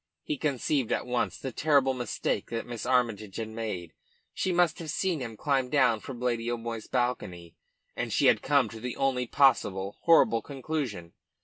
He conceived at once the terrible mistake that Miss Armytage had made. She must have seen him climb down from Lady O'Moy's balcony, and she had come to the only possible, horrible conclusion.